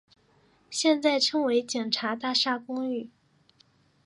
现在称为警察大厦公寓。